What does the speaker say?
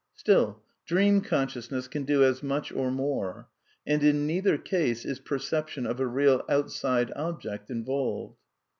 Still, dream consciousness can do as much or more ; and in neitiier case is perception of a real outside object involved.